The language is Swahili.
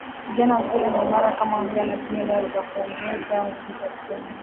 kijana mzuri na imara kama huyu anatumia dawa za kuongeza nguvu za kiume